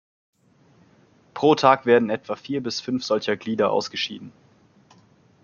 Pro Tag werden etwa vier bis fünf solcher Glieder ausgeschieden.